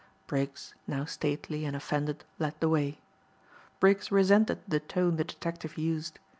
Briggs, now stately and offended, led the way. Briggs resented the tone the detective used.